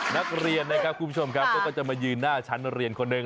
นักเรียนนะครับคุณผู้ชมครับก็จะมายืนหน้าชั้นเรียนคนหนึ่ง